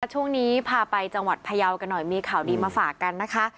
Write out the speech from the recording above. ช่วงนี้พาไปจังหวัดพยาวกันหน่อยมีข่าวดีมาฝากกันนะคะ